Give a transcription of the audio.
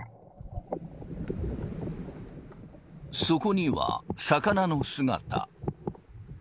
そこには魚の姿。